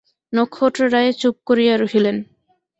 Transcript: নক্ষত্ররায় চুপ করিয়া রহিলেন।